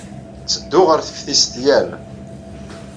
Ttedduɣ ɣer teftist yal.